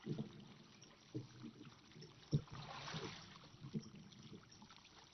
因公平竞技奖而获得参赛资格。